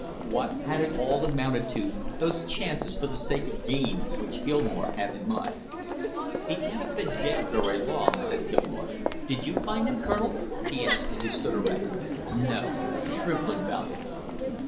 What had it all amounted to, those chances for the sake of gain, which Gilmore had in mind. "He can't have been dead very long," said Gilmore. "Did you find him, Colonel?" he asked as he stood erect. "No, Shrimplin found him."